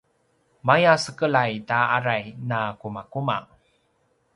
maya sekelay ta aray na kumakuma